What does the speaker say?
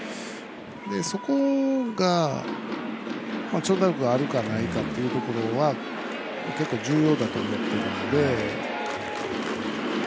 そこが長打力があるか、ないかというところは結構、重要だと思ってるんで。